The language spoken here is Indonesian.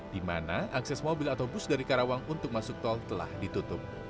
di mana akses mobil atau bus dari karawang untuk masuk tol telah ditutup